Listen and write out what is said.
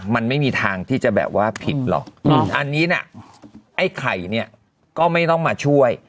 มันไม่มีทางที่จะแบบว่าผิดหรอกอันนี้น่ะไอ้ไข่เนี่ยก็ไม่ต้องมาช่วย